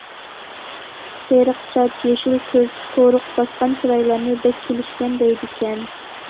سېرىق چاچ، يېشىل كۆز، قورۇق باسقان چىرايلارنى بەك كېلىشكەن، دەيدىكەن.